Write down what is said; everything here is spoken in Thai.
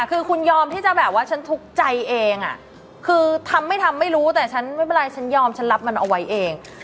คือคุณยอมที่จะแบบว่าฉันทุกข์ใจเองคือทำไม่ทำไม่รู้แต่ฉันไม่เป็นไรฉันยอมฉันรับมันเอาไว้เอง